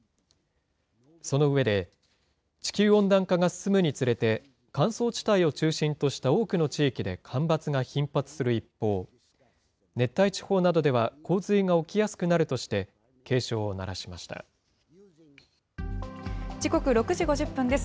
その上で、地球温暖化が進むにつれて、乾燥地帯を中心とした多くの地域で干ばつが頻発する一方、熱帯地方などでは洪水が起きやすくなるとして、警鐘を鳴らしまし時刻６時５０分です。